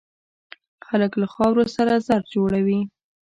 خلک له خاورو سره زر جوړوي.